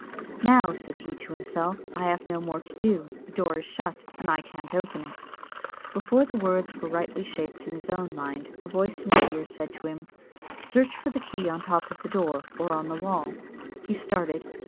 "Now," said he to himself, "I have no more to do; the door is shut, and I can't open it." Before the words were rightly shaped in his own mind, a voice in his ear said to him, "Search for the key on the top of the door, or on the wall." He started.